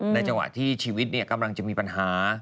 จังหวะที่ชีวิตกำลังจะมีปัญหา